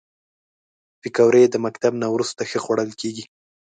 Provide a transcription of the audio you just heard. پکورې د مکتب نه وروسته ښه خوړل کېږي